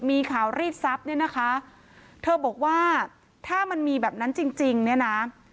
มีข่าวรีดทรัพย์เนี่ยนะคะเธอบอกว่าถ้ามันมีแบบนั้นจริงจริงเนี่ยนะ